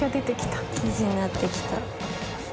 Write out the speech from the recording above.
生地になってきた。